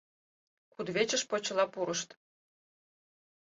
Кудывечыш почела пурышт.